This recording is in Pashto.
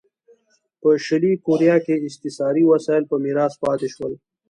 په شلي کوریا کې استثاري وسایل په میراث پاتې شول.